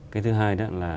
cái thứ hai đó là